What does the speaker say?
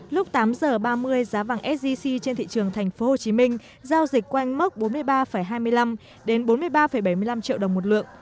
lúc tám giờ ba mươi giá vàng sgc trên thị trường tp hcm giao dịch quanh mốc bốn mươi ba hai mươi năm đến bốn mươi ba bảy mươi năm triệu đồng một lượng